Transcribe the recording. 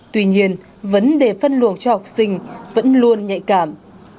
tuy nhiên vấn đề phân luồng cho học sinh vẫn luôn nhạy cảm